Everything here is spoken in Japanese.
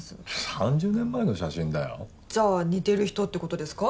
３０年前の写真だよ。じゃあ似てる人って事ですか？